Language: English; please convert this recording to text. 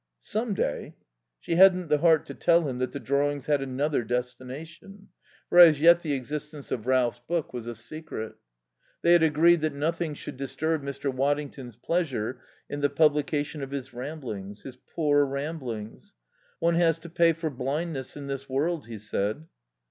"Some day!" She hadn't the heart to tell him that the drawings had another destination, for as yet the existence of Ralph's took was a secret. They had agreed that nothing should disturb Mr. Waddington's pleasure in the publication of his Ramblings his poor Ramblings. "One has to pay for blindness in this world," he said.